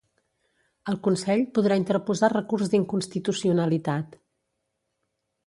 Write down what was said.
El Consell podrà interposar recurs d'inconstitucionalitat.